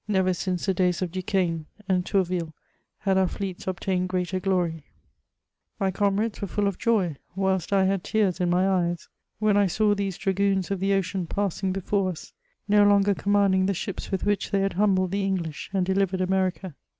Never since the days of Duquesne and Tourville had our fleets obtained greater glory. My com 340 MEMOIBS 07 rades were full of joy, whilst I had tears in my eyes, when I saw ihese dragoons of the ocean passing before us, no longer com manding the ships with which they had humbled the English and deliyered A merica.